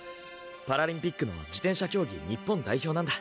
パラリンピックの自転車競技日本代表なんだ。